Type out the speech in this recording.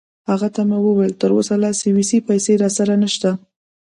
هغه ته مې وویل: تراوسه لا سویسی پیسې راسره نشته.